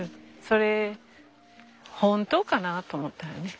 「それ本当かな？」と思ったよね。